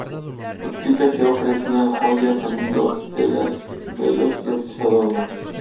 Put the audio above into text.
Explica que ofrecían joyas, anillos, telas, velos y otros adornos.